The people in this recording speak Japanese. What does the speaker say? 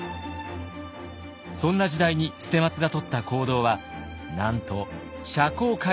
そんな時代に捨松がとった行動はなんと社交界で活躍すること。